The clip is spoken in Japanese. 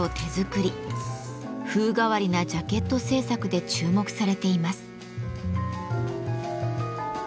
風変わりなジャケット制作で注目されています。